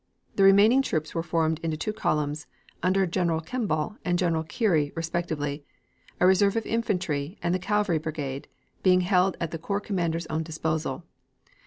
The remaining troops were formed into two columns, under General Kemball and General Keary respectively, a reserve of infantry, and the cavalry brigade, being held at the Corps Commander's own disposal.